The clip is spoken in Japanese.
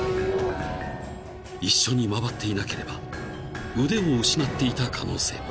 ［一緒に回っていなければ腕を失っていた可能性も］